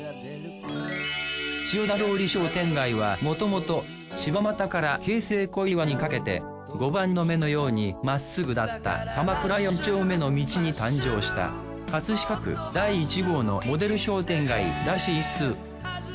千代田通り商店街はもともと柴又から京成小岩にかけて碁盤の目のようにまっすぐだった鎌倉４丁目の道に誕生した飾区第１号のモデル商店街らしいっす。